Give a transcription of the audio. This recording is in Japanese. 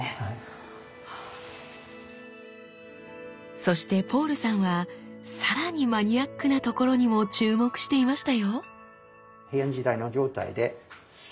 そしてポールさんはさらにマニアックなところにも注目していましたよ！